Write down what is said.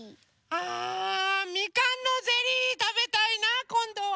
ああみかんのゼリーたべたいなあこんどは。